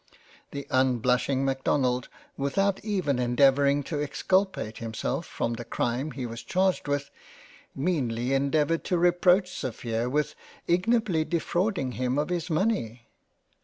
" The unblushing Macdonald, without even endeavouring to ex culpate himself from the crime he was charged with, meanly endeavoured to reproach Sophia with ignobly defrauding 27 £ JANE AUSTEN him of his money